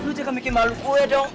lu juga bikin malu gue dong